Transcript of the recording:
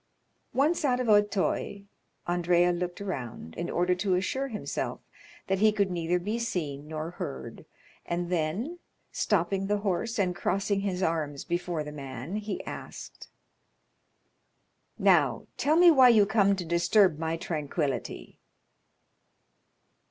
Once out of Auteuil, Andrea looked around, in order to assure himself that he could neither be seen nor heard, and then, stopping the horse and crossing his arms before the man, he asked: "Now, tell me why you come to disturb my tranquillity?"